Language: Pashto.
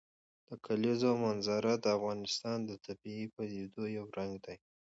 د کلیزو منظره د افغانستان د طبیعي پدیدو یو رنګ دی.